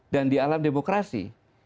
dan di alam demokrasi